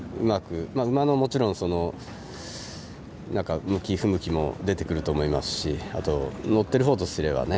馬のもちろん向き・不向きも出てくると思いますし乗ってるほうとすればね